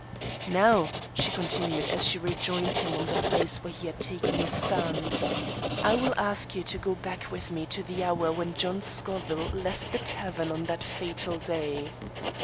"Now," she continued as she rejoined him on the place where he had taken his stand, "I will ask you to go back with me to the hour when John Scoville left the tavern on that fatal day.